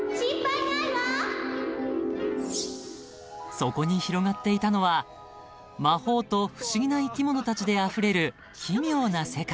［そこに広がっていたのは魔法と不思議な生き物たちであふれる奇妙な世界］